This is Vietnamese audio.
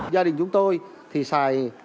gia đình chúng tôi thì xài